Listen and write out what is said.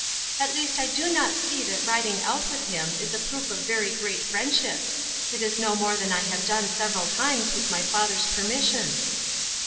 " At least I do not see that riding out with him is a proof of very groat friendship. It is no more than I have done several times with my father's permission."